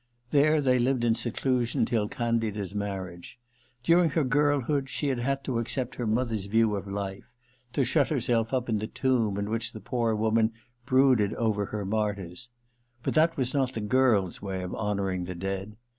There they lived in seclusion till Candida's marriage. During her girlhood she had had to accept her mother's view of life : to shut herself up in the tomb in which the poor woman brooded over her martyrs. But that was not the girl's way of honouring the dead.